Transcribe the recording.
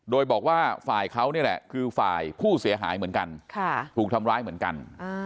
โดยบอกว่าฝ่ายเขานี่แหละคือฝ่ายผู้เสียหายเหมือนกันถูกทำร้ายเหมือนกัน